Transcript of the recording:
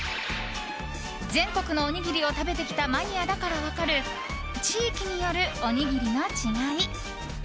全国のおにぎりを食べてきたマニアだから分かる地域による、おにぎりの違い。